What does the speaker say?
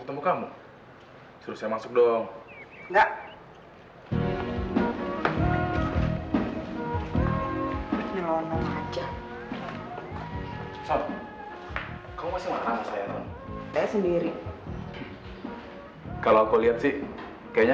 sampai jumpa di video selanjutnya